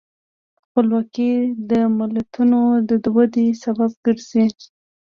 خپلواکي د ملتونو د ودې سبب ګرځي.